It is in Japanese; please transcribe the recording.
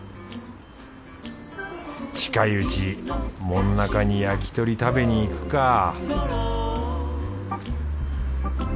近いうち門仲に焼き鳥食べにいくか